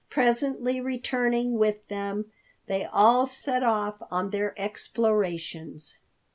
Presently returning with them, they all set off on their explorations.